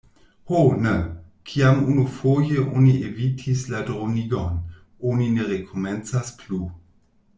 Ho, ne! Kiam unufoje oni evitis la dronigon, oni ne rekomencas plu.